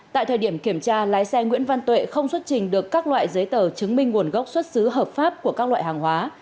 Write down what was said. tại thời điểm kiểm tra lái xe nguyễn văn tuệ không xuất trình được các loại giấy tờ chứng minh nguồn gốc xuất xứ hợp pháp của các loại hàng hóa